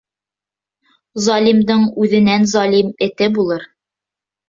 Залимдың үҙенән залим эте булыр.